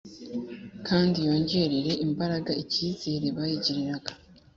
kandi yongerere imbaraga icyizere bayigiriraga.